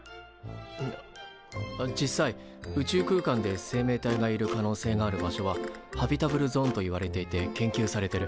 あっ実際宇宙空間で生命体がいる可能性がある場所はハビタブルゾーンといわれていて研究されてる。